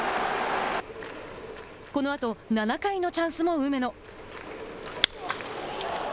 このあと７回のチャンスも梅野。